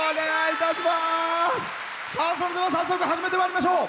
それでは早速、始めてまいりましょう。